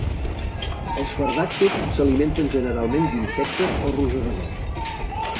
Els fardatxos s'alimenten generalment d'insectes o rosegadors.